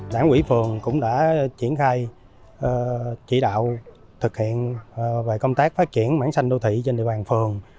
đảng quỹ phường cũng đã triển khai chỉ đạo thực hiện về công tác phát triển mảng xanh đô thị trên địa bàn phường